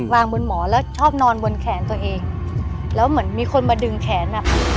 วางบนหมอแล้วชอบนอนบนแขนตัวเองแล้วเหมือนมีคนมาดึงแขนอ่ะ